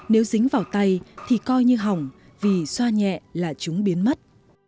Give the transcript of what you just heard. nếu dính vào tay thì coi như hỏng vì xoa nhẹ là chúng biến mất